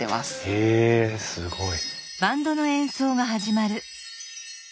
へえすごい。